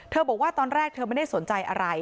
บอกว่าตอนแรกเธอไม่ได้สนใจอะไร